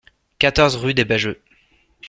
quatorze rue des Bajeux